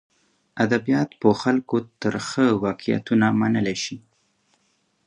ادبیات په خلکو ترخه واقعیتونه منلی شي.